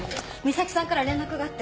岬さんから連絡があって。